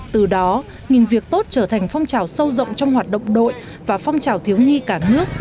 từ đó nghìn việc tốt trở thành phong trào sâu rộng trong hoạt động đội và phong trào thiếu nhi cả nước